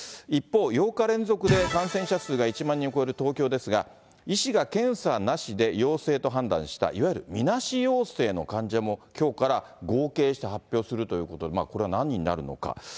一方、８日連続で感染者数が１万人を超える東京ですが、医師が検査なしで陽性と判断した、いわゆるみなし陽性の患者もきょうから合計して発表するということで、これは何人になるのか。